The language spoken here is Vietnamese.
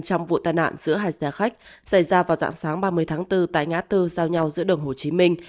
trong vụ tai nạn giữa hai xe khách xảy ra vào dạng sáng ba mươi tháng bốn tại ngã tư giao nhau giữa đường hồ chí minh